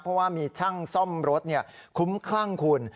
เพราะว่ามีช่างซ่อมรถคุ้มคลั่งคุณ